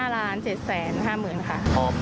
๕ล้านเจ็ดแสนห้ามือนค่ะ